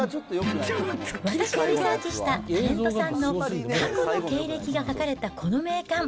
私がリサーチしたタレントさんの過去の経歴が書かれたこの名鑑。